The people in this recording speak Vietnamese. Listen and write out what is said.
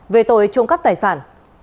về tội trộm cắp tài sản